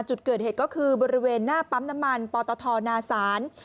จุดเกิดเหตุก็คือบริเวณหน้าปั๊มน้ำมันปตทนาศาล